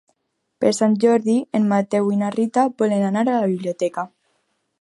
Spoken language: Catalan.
Per Sant Jordi en Mateu i na Rita volen anar a la biblioteca.